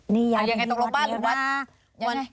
นี่ย้ายไปที่วัดแล้วนะ